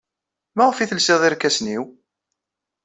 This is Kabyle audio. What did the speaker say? Maɣef ay telsid irkasen-inu?